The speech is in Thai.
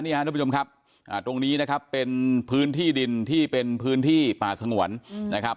ท่านผู้ชมครับตรงนี้นะครับเป็นพื้นที่ดินที่เป็นพื้นที่ป่าสงวนนะครับ